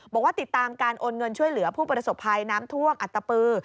บอกว่าติดตามการโอนเงินช่วยเหลือผู้ประสบภัยน้ำท่วมอัตตปือ